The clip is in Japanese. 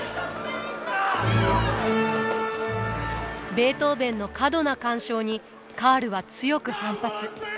・ベートーヴェンの過度な干渉にカールは強く反発。